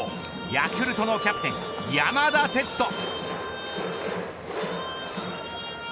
ヤクルトのキャプテン山田哲人。